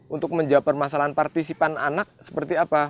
untuk menjawab permasalahan partisipan anak seperti apa